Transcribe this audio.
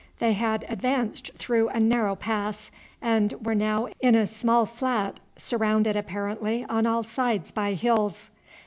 They had advanced through a narrow pass, and were now in a small flat surrounded apparently on all sides by hills.